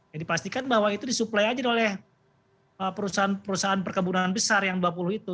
jadi pastikan bahwa itu disuplai aja oleh perusahaan perusahaan perkebunan besar yang dua puluh itu